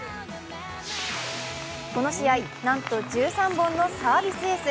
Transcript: この試合、なんと１３本のサービスエース。